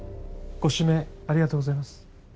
ご指名ありがとうございます。